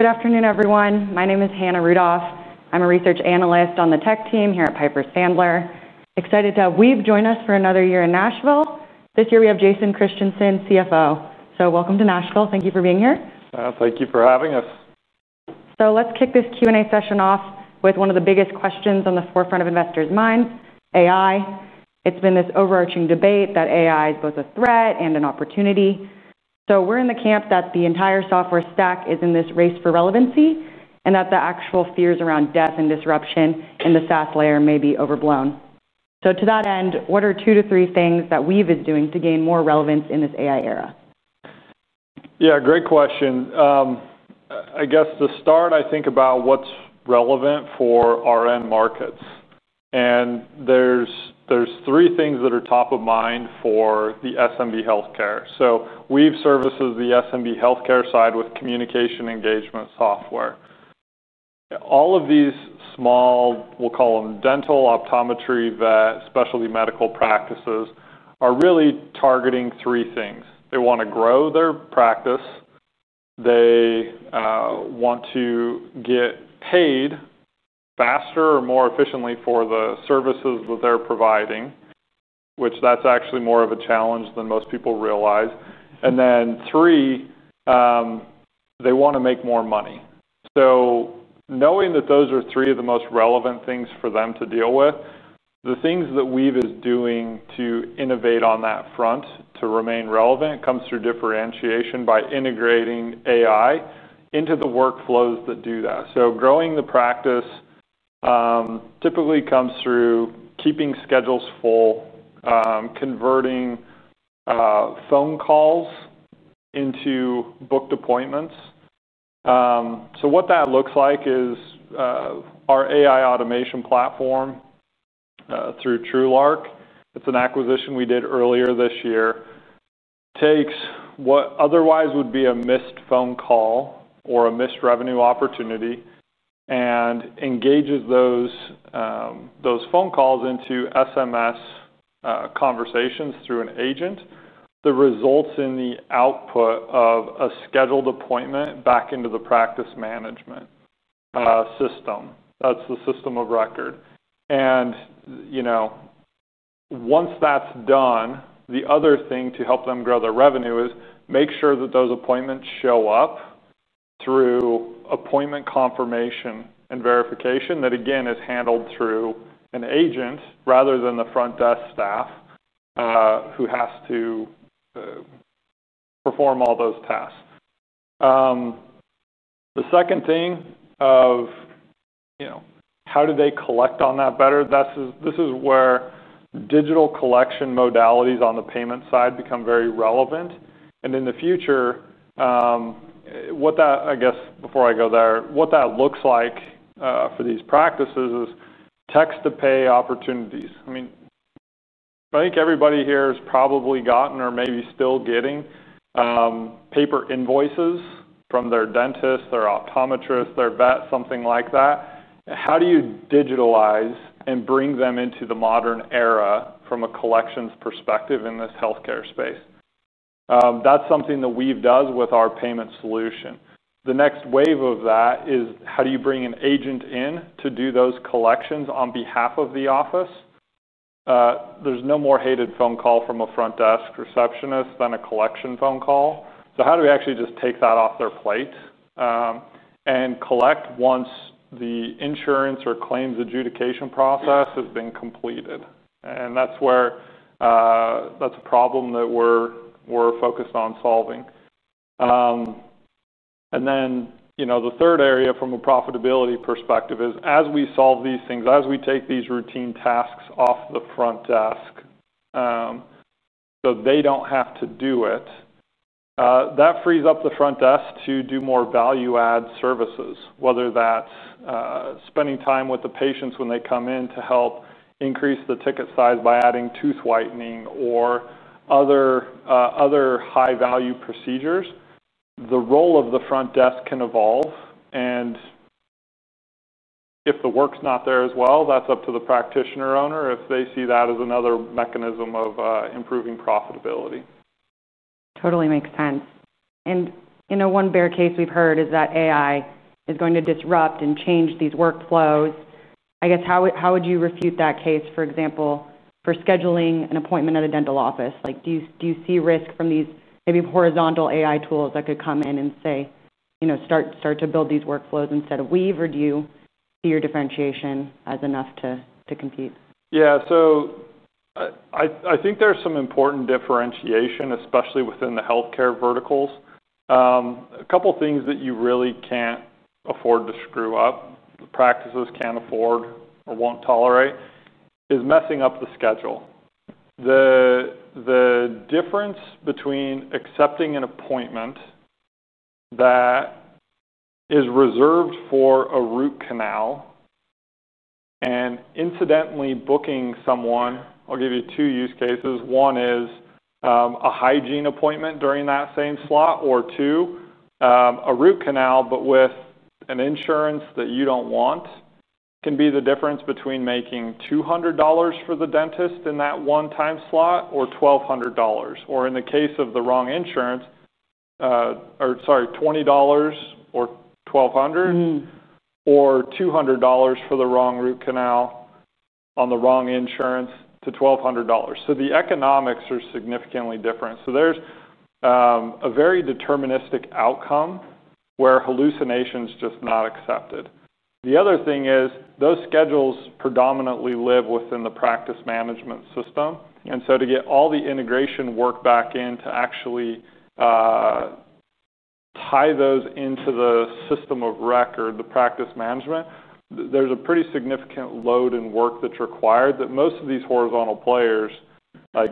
Good afternoon, everyone. My name is Hannah Rudolph. I'm a Research Analyst on the tech team here at Piper Sandler. Excited to have Weave join us for another year in Nashville. This year we have Jason Christiansen, CFO. Welcome to Nashville. Thank you for being here. Thank you for having us. Let's kick this Q&A session off with one of the biggest questions on the forefront of investors' minds: AI. It's been this overarching debate that AI is both a threat and an opportunity. We're in the camp that the entire software stack is in this race for relevancy and that the actual fears around death and disruption in the SaaS layer may be overblown. To that end, what are two to three things that Weave is doing to gain more relevance in this AI era? Yeah, great question. I guess to start, I think about what's relevant for our end markets. There's three things that are top of mind for the SMB healthcare. Weave services the SMB healthcare side with communication engagement software. All of these small, we'll call them dental, optometry, vets, specialty medical practices are really targeting three things. They want to grow their practice. They want to get paid faster or more efficiently for the services that they're providing, which that's actually more of a challenge than most people realize. Three, they want to make more money. Knowing that those are three of the most relevant things for them to deal with, the things that Weave is doing to innovate on that front to remain relevant comes through differentiation by integrating AI into the workflows that do that. Growing the practice typically comes through keeping schedules full, converting phone calls into booked appointments. What that looks like is our AI automation platform through TrueLark. It's an acquisition we did earlier this year. It takes what otherwise would be a missed phone call or a missed revenue opportunity and engages those phone calls into SMS conversations through an agent. The results in the output of a scheduled appointment back into the practice management system. That's the system of record. Once that's done, the other thing to help them grow their revenue is make sure that those appointments show up through appointment confirmation and verification that, again, is handled through an agent rather than the front desk staff who has to perform all those tasks. The second thing of, you know, how do they collect on that better? This is where digital collection modalities on the payment side become very relevant. In the future, what that, I guess, before I go there, what that looks like for these practices is text-to-pay opportunities. I mean, I think everybody here has probably gotten or maybe still getting paper invoices from their dentist, their optometrist, their vet, something like that. How do you digitalize and bring them into the modern era from a collections perspective in this healthcare space? That's something that Weave does with our payment solution. The next wave of that is how do you bring an agent in to do those collections on behalf of the office? There's no more hated phone call from a front desk receptionist than a collection phone call. How do we actually just take that off their plate and collect once the insurance or claims adjudication process has been completed? That's a problem that we're focused on solving. The third area from a profitability perspective is as we solve these things, as we take these routine tasks off the front desk so they don't have to do it, that frees up the front desk to do more value-add services, whether that's spending time with the patients when they come in to help increase the ticket size by adding tooth whitening or other high-value procedures. The role of the front desk can evolve. If the work's not there as well, that's up to the practitioner owner if they see that as another mechanism of improving profitability. Totally makes sense. You know, one bare case we've heard is that AI is going to disrupt and change these workflows. I guess how would you refute that case, for example, for scheduling an appointment at a dental office? Do you see risk from these maybe horizontal AI tools that could come in and say, you know, start to build these workflows instead of Weave? Do you see your differentiation as enough to compete? Yeah, so I think there's some important differentiation, especially within the healthcare verticals. A couple of things that you really can't afford to screw up, the practices can't afford or won't tolerate, is messing up the schedule. The difference between accepting an appointment that is reserved for a root canal and incidentally booking someone, I'll give you two use cases. One is a hygiene appointment during that same slot, or two, a root canal, but with an insurance that you don't want, can be the difference between making $200 for the dentist in that one-time slot or $1,200. Or in the case of the wrong insurance, or sorry, $20 or $1,200 or $200 for the wrong root canal on the wrong insurance to $1,200. The economics are significantly different. There is a very deterministic outcome where hallucination is just not accepted. The other thing is those schedules predominantly live within the practice management system. To get all the integration work back in to actually tie those into the system of record, the practice management, there's a pretty significant load and work that's required that most of these horizontal players, like,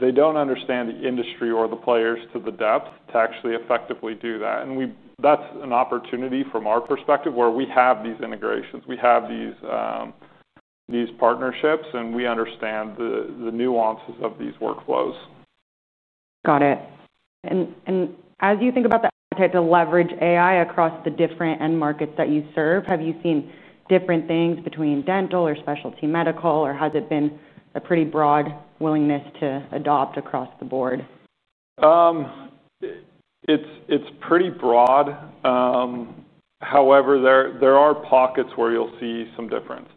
they don't understand the industry or the players to the depth to actually effectively do that. That's an opportunity from our perspective where we have these integrations. We have these partnerships and we understand the nuances of these workflows. Got it. As you think about the to leverage AI across the different end markets that you serve, have you seen different things between dental or specialty medical? Has it been a pretty broad willingness to adopt across the board? It's pretty broad. However, there are pockets where you'll see some difference.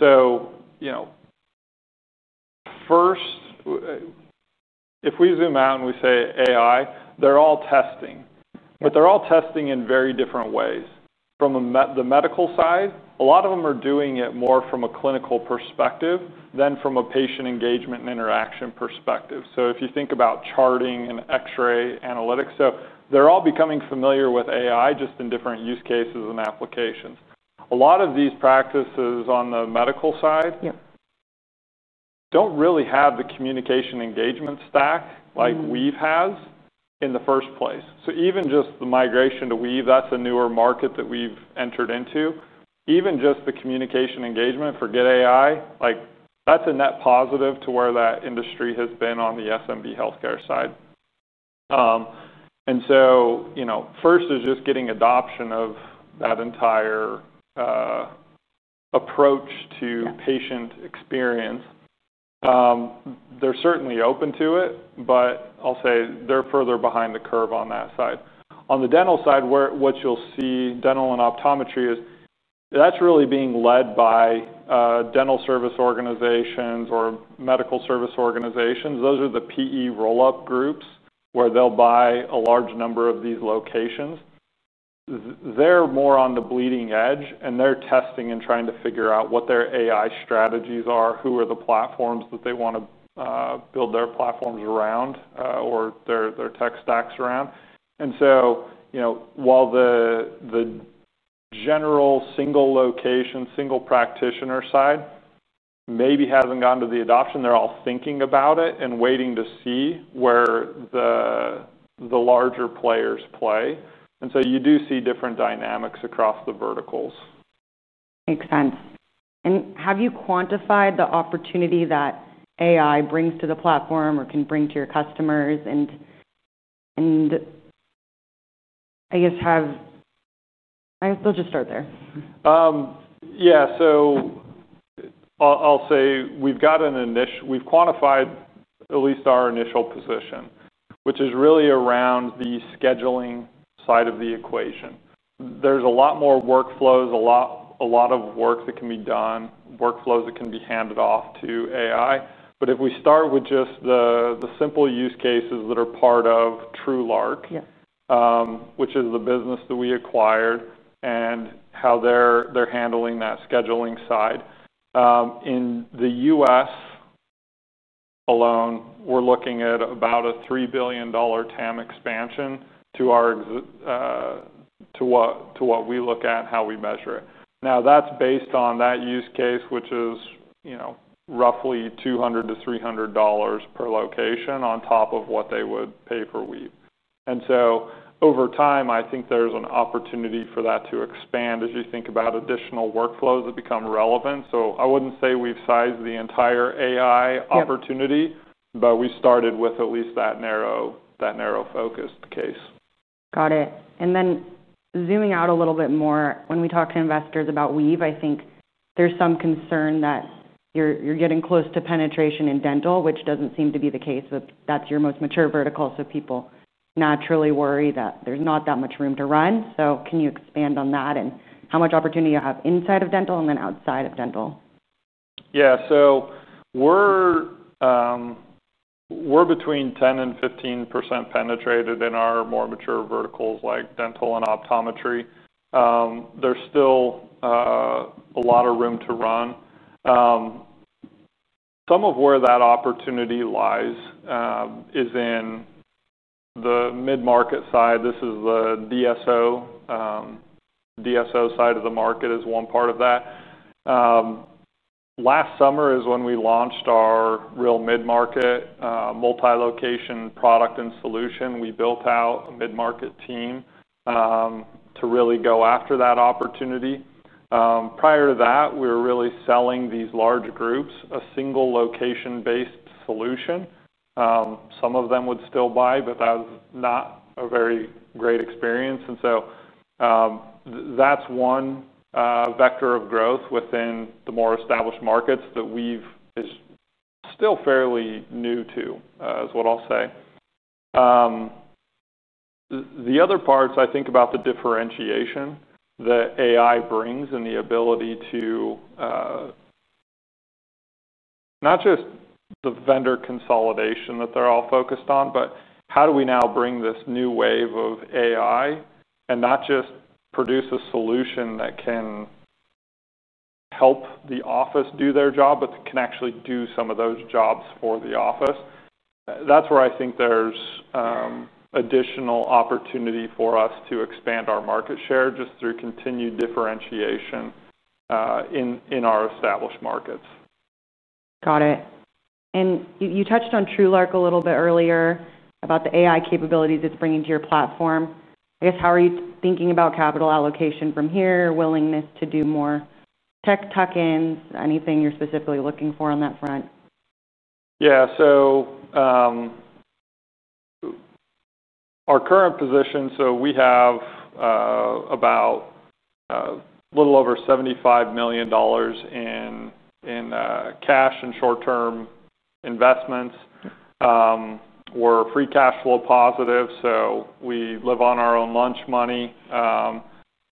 If we zoom out and we say AI, they're all testing, but they're all testing in very different ways. From the medical side, a lot of them are doing it more from a clinical perspective than from a patient engagement and interaction perspective. If you think about charting and X-ray analytics, they're all becoming familiar with AI just in different use cases and applications. A lot of these practices on the medical side don't really have the communication engagement stack like Weave has in the first place. Even just the migration to Weave, that's a newer market that we've entered into. Even just the communication engagement for GetAI, that's a net positive to where that industry has been on the SMB healthcare side. First is just getting adoption of that entire approach to patient experience. They're certainly open to it, but I'll say they're further behind the curve on that side. On the dental side, what you'll see, dental and optometry is that's really being led by dental service organizations or medical service organizations. Those are the PE roll-up groups where they'll buy a large number of these locations. They're more on the bleeding edge and they're testing and trying to figure out what their AI strategies are, who are the platforms that they want to build their platforms around or their tech stacks around. While the general single location, single practitioner side maybe hasn't gone to the adoption, they're all thinking about it and waiting to see where the larger players play. You do see different dynamics across the verticals. Makes sense. Have you quantified the opportunity that AI brings to the platform or can bring to your customers? I guess we'll just start there. Yeah, I'll say we've got an initial, we've quantified at least our initial position, which is really around the scheduling side of the equation. There's a lot more workflows, a lot of work that can be done, workflows that can be handed off to AI. If we start with just the simple use cases that are part of TrueLark, which is the business that we acquired and how they're handling that scheduling side. In the U.S. alone, we're looking at about a $3 billion TAM expansion to what we look at and how we measure it. Now that's based on that use case, which is, you know, roughly $200 to $300 per location on top of what they would pay for Weave. Over time, I think there's an opportunity for that to expand as you think about additional workflows that become relevant. I wouldn't say we've sized the entire AI opportunity, but we started with at least that narrow focus case. Got it. Zooming out a little bit more, when we talk to investors about Weave, I think there's some concern that you're getting close to penetration in dental, which doesn't seem to be the case, but that's your most mature vertical. People naturally worry that there's not that much room to run. Can you expand on that and how much opportunity you have inside of dental and then outside of dental? Yeah, so we're between 10% and 15% penetrated in our more mature verticals like dental and optometry. There's still a lot of room to run. Some of where that opportunity lies is in the mid-market side. This is the DSO side of the market is one part of that. Last summer is when we launched our real mid-market multi-location product and solution. We built out a mid-market team to really go after that opportunity. Prior to that, we were really selling these large groups a single location-based solution. Some of them would still buy, but that was not a very great experience. That is one vector of growth within the more established markets that Weave is still fairly new to, is what I'll say. The other parts I think about the differentiation that AI brings and the ability to not just the vendor consolidation that they're all focused on, but how do we now bring this new wave of AI and not just produce a solution that can help the office do their job, but can actually do some of those jobs for the office? That's where I think there's additional opportunity for us to expand our market share just through continued differentiation in our established markets. Got it. You touched on TrueLark a little bit earlier about the AI capabilities it's bringing to your platform. I guess how are you thinking about capital allocation from here, willingness to do more tech tuck-ins, anything you're specifically looking for on that front? Yeah, so our current position, we have about a little over $75 million in cash and short-term investments. We're free cash flow positive, so we live on our own lunch money.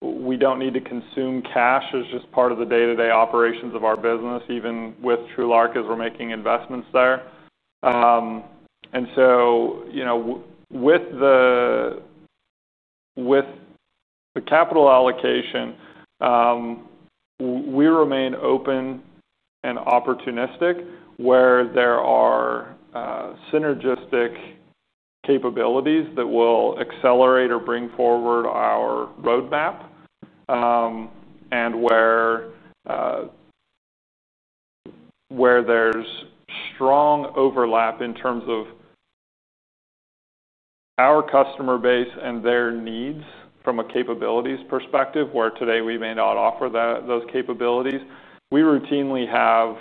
We don't need to consume cash as just part of the day-to-day operations of our business, even with TrueLark as we're making investments there. With the capital allocation, we remain open and opportunistic where there are synergistic capabilities that will accelerate or bring forward our roadmap and where there's strong overlap in terms of our customer base and their needs from a capabilities perspective, where today we may not offer those capabilities. We routinely have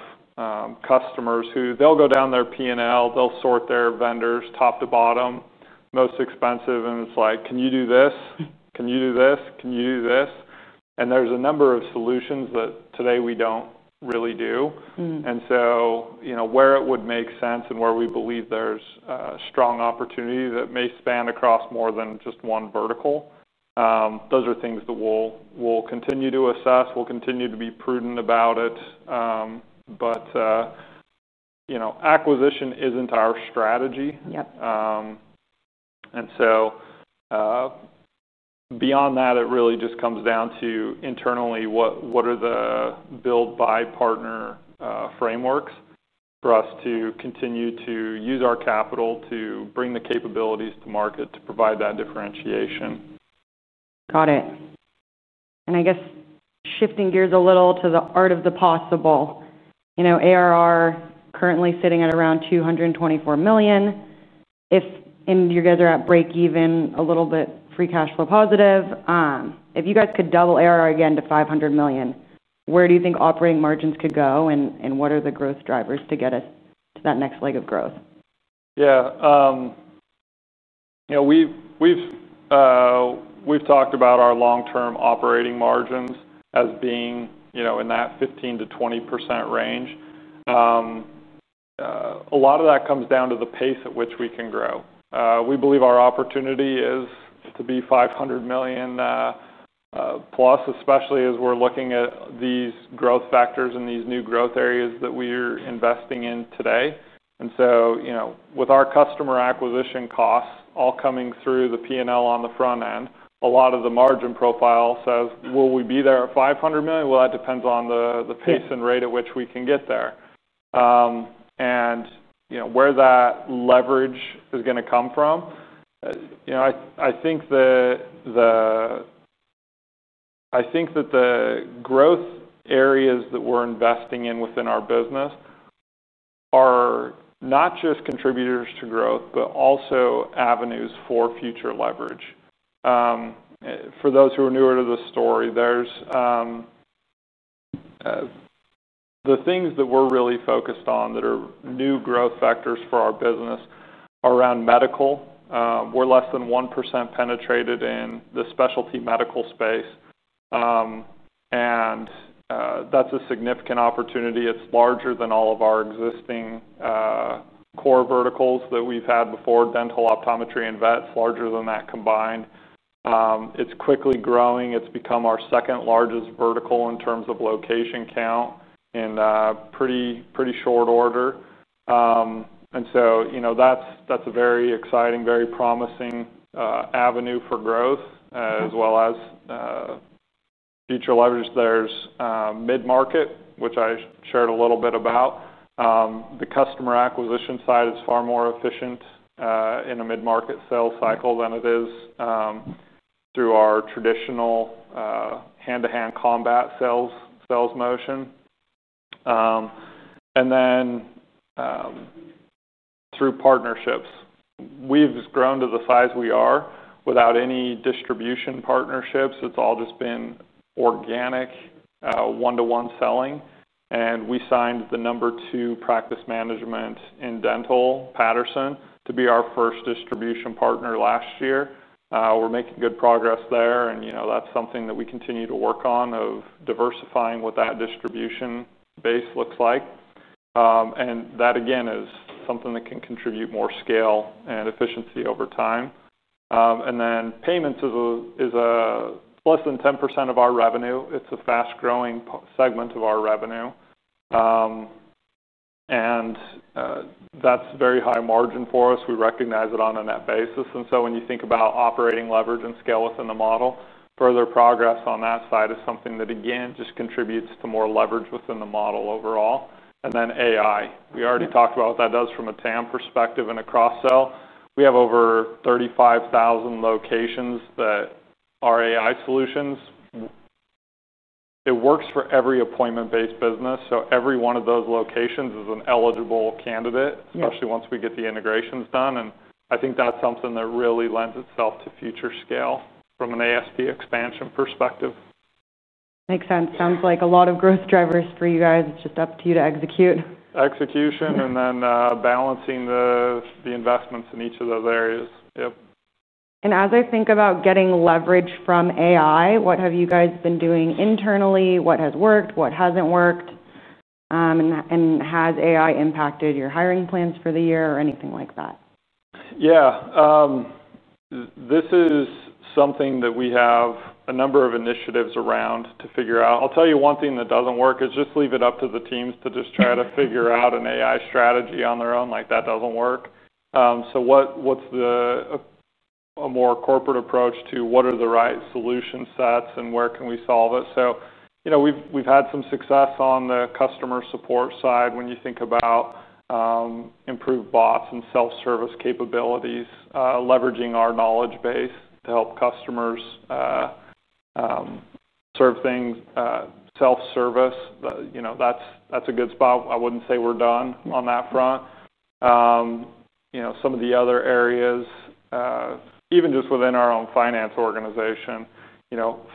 customers who go down their P&L, sort their vendors top to bottom, most expensive, and it's like, can you do this? Can you do this? Can you do this? There are a number of solutions that today we don't really do. Where it would make sense and where we believe there's a strong opportunity that may span across more than just one vertical, those are things that we'll continue to assess. We'll continue to be prudent about it. Acquisition isn't our strategy. Beyond that, it really just comes down to internally what are the build-buy-partner frameworks for us to continue to use our capital to bring the capabilities to market to provide that differentiation. Got it. I guess shifting gears a little to the art of the possible, you know, ARR currently sitting at around $224 million. If you guys are at breakeven, a little bit free cash flow positive, if you guys could double ARR again to $500 million, where do you think operating margins could go and what are the growth drivers to get us to that next leg of growth? Yeah, we've talked about our long-term operating margins as being, you know, in that 15% to 20% range. A lot of that comes down to the pace at which we can grow. We believe our opportunity is to be $500 million plus, especially as we're looking at these growth vectors and these new growth areas that we are investing in today. You know, with our customer acquisition costs all coming through the P&L on the front end, a lot of the margin profile says, will we be there at $500 million? That depends on the pace and rate at which we can get there. Where that leverage is going to come from, I think that the growth areas that we're investing in within our business are not just contributors to growth, but also avenues for future leverage. For those who are newer to the story, the things that we're really focused on that are new growth vectors for our business are around medical. We're less than 1% penetrated in the specialty medical space, and that's a significant opportunity. It's larger than all of our existing core verticals that we've had before: dental, optometry, and vets, larger than that combined. It's quickly growing. It's become our second largest vertical in terms of location count in pretty short order. That's a very exciting, very promising avenue for growth, as well as future leverage. There's mid-market, which I shared a little bit about. The customer acquisition side is far more efficient in a mid-market sales cycle than it is through our traditional hand-to-hand combat sales motion. Through partnerships, we've grown to the size we are without any distribution partnerships. It's all just been organic one-to-one selling. We signed the number two practice management in dental, Patterson, to be our first distribution partner last year. We're making good progress there. That's something that we continue to work on, diversifying what that distribution base looks like. That, again, is something that can contribute more scale and efficiency over time. Payments is less than 10% of our revenue. It's a fast-growing segment of our revenue, and that's very high margin for us. We recognize it on a net basis. When you think about operating leverage and scale within the model, further progress on that side is something that, again, just contributes to more leverage within the model overall. AI, we already talked about what that does from a TAM perspective and a cross-sell. We have over 35,000 locations that are AI solutions. It works for every appointment-based business, so every one of those locations is an eligible candidate, especially once we get the integrations done. I think that's something that really lends itself to future scale from an ASP expansion perspective. Makes sense. Sounds like a lot of growth drivers for you guys. It's just up to you to execute. Execution and then balancing the investments in each of those areas. Yep. As I think about getting leverage from AI, what have you guys been doing internally? What has worked? What hasn't worked? Has AI impacted your hiring plans for the year or anything like that? Yeah, this is something that we have a number of initiatives around to figure out. I'll tell you one thing that doesn't work is just leave it up to the teams to just try to figure out an AI strategy on their own. That doesn't work. What's a more corporate approach to what are the right solution sets and where can we solve it? We've had some success on the customer support side when you think about improved bots and self-service capabilities, leveraging our knowledge base to help customers serve things self-service. That's a good spot. I wouldn't say we're done on that front. Some of the other areas, even just within our own finance organization,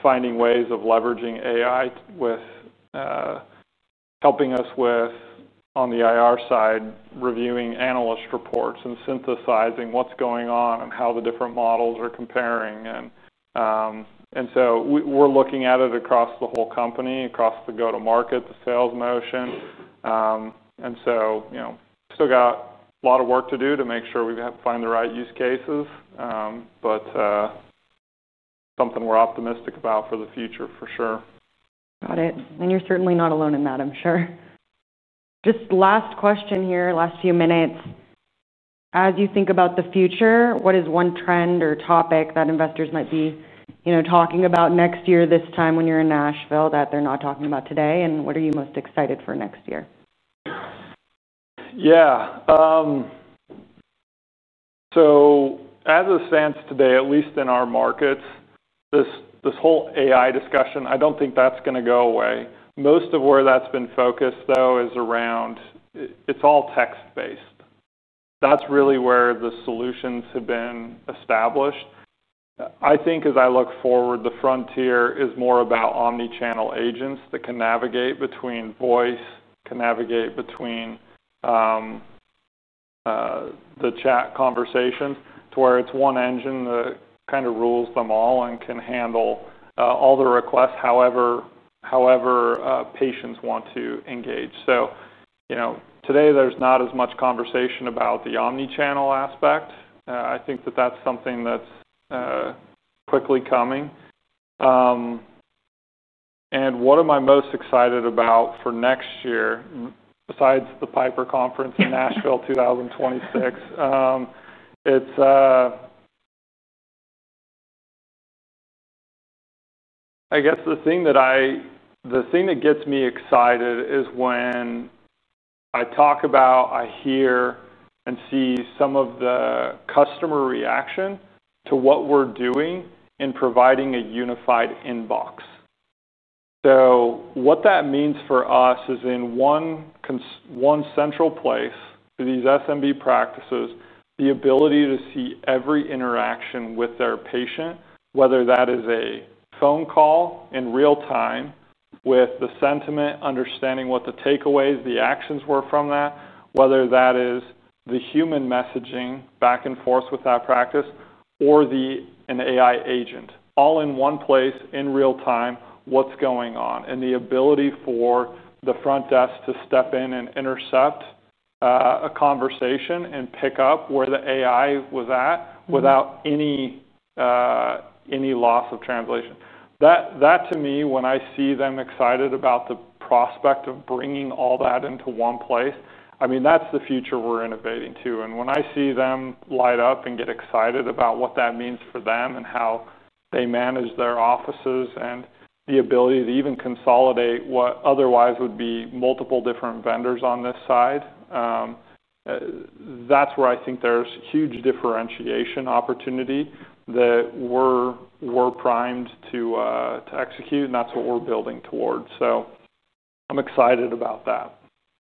finding ways of leveraging AI with helping us with, on the IR side, reviewing analyst reports and synthesizing what's going on and how the different models are comparing. We're looking at it across the whole company, across the go-to-market, the sales motion. Still got a lot of work to do to make sure we find the right use cases. Something we're optimistic about for the future for sure. Got it. You're certainly not alone in that, I'm sure. Just last question here, last few minutes. As you think about the future, what is one trend or topic that investors might be talking about next year, this time when you're in Nashville that they're not talking about today? What are you most excited for next year? Yeah. As it stands today, at least in our markets, this whole AI discussion, I don't think that's going to go away. Most of where that's been focused, though, is around it's all text-based. That's really where the solutions have been established. I think as I look forward, the frontier is more about omnichannel agents that can navigate between voice, can navigate between the chat conversations to where it's one engine that kind of rules them all and can handle all the requests however patients want to engage. Today there's not as much conversation about the omnichannel aspect. I think that that's something that's quickly coming. What am I most excited about for next year, besides the Piper Sandler Conference in Nashville 2026? I guess the thing that gets me excited is when I talk about, I hear and see some of the customer reaction to what we're doing in providing a unified inbox. What that means for us is in one central place for these SMB practices, the ability to see every interaction with their patient, whether that is a phone call in real time with the sentiment, understanding what the takeaways, the actions were from that, whether that is the human messaging back and forth with that practice, or an AI agent, all in one place in real time, what's going on, and the ability for the front desk to step in and intercept a conversation and pick up where the AI was at without any loss of translation. That, to me, when I see them excited about the prospect of bringing all that into one place, I mean, that's the future we're innovating to. When I see them light up and get excited about what that means for them and how they manage their offices and the ability to even consolidate what otherwise would be multiple different vendors on this side, that's where I think there's huge differentiation opportunity that we're primed to execute. That's what we're building towards. I'm excited about that.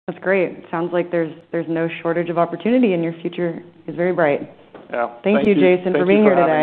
That's great. It sounds like there's no shortage of opportunity, and your future is very bright. Yeah. Thank you, Jason, for being here today.